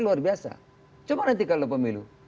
luar biasa coba nanti kalau pemilu